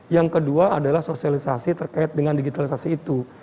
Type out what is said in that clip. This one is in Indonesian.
yang kedua adalah sosialisasi terkait dengan digitalisasi itu